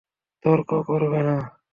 তর্ক করবে না!